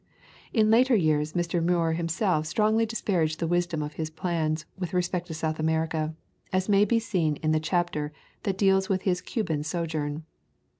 In later years Mr. Muir himself strongly disparaged the wisdom of his plans with respect to South America, as may be seen in the chap ter that deals with his Cuban sojourn.